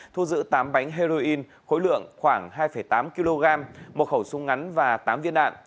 thu giữ tám bánh heroin khối lượng khoảng hai tám kg một khẩu súng ngắn và tám viên đạn